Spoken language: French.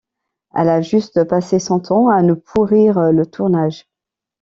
Elle a juste passé son temps à nous pourrir le tournage.